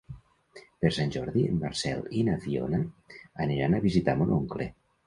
Per Sant Jordi en Marcel i na Fiona aniran a visitar mon oncle.